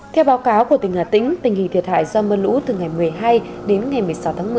theo báo cáo của tỉnh hà tĩnh tình hình thiệt hại do mưa lũ từ ngày một mươi hai đến ngày một mươi sáu tháng một mươi